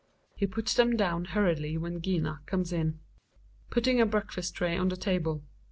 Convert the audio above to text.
He puts them down hurriedly when GiNA comes in. GiNA {putting a breakfast tray on the table).